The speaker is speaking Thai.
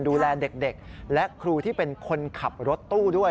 ดูแลเด็กและครูที่เป็นคนขับรถตู้ด้วย